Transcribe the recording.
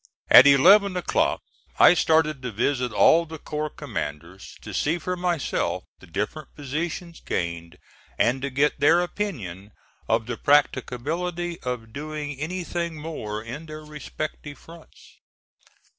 At eleven o'clock I started to visit all the corps commanders to see for myself the different positions gained and to get their opinion of the practicability of doing anything more in their respective fronts.